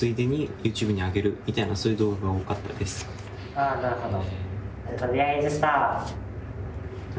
ああなるほど。